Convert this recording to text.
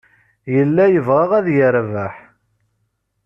Yella yebɣa ad yerbeḥ.